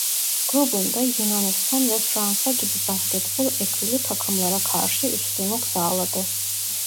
Grubunda Yunanistan ve Fransa gibi basketbol ekolü takımlara karşı üstünlük sağladı.